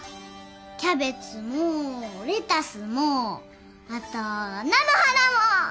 キャベツもレタスもあと菜の花も！